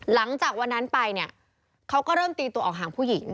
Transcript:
หลังจากวันนั้นไปเนี่ยเขาก็เริ่มตีตัวออกห่างผู้หญิง